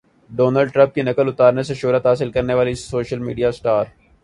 Donald Trump کی نقل اتارنے سے شہرت حاصل کرنے والی سوشل میڈیا اسٹار